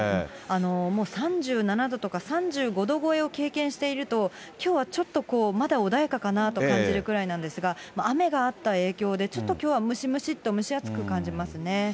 もう３７度とか、３５度超えを経験していると、きょうはちょっとこう、まだ穏やかかなと感じるくらいなんですが、雨があった影響で、ちょっときょうはムシムシっと、蒸し暑く感じますね。